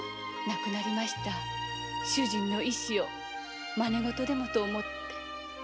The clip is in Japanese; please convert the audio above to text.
亡くなりました主人の遺志をまねごとでもと思って。